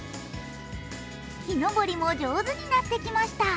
木登りも上手になってきました。